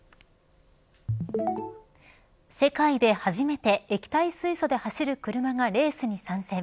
世界で初めて液体水素で走る車がレースに参戦。